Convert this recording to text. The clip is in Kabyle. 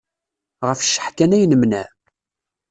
Ɣef cceḥ kan ay nemneɛ.